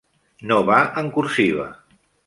No va en cursiva.